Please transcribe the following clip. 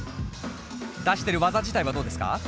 出してる技自体はどうですか？